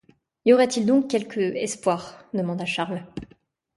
Y aurait-il donc quelque espoir ? demanda Charles.